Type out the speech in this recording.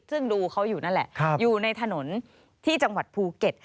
ซึ่งดูเขาอยู่นั่นแหละอยู่ในถนนที่จังหวัดภูเก็ต